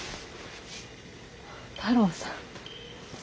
太郎さん。